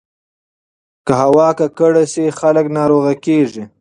که هوا ککړه شي، خلک ناروغ کېږي.